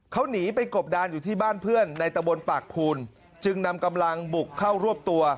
เขาหนีไปกบดานอยู่ที่บ้านเพื่อนในตะบนปากภูนจึงนำกำลังบุกเข้ารวบตัว